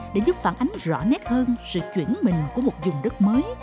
để giúp phản ánh rõ nét hơn sự chuyển mình của một dùng đất mới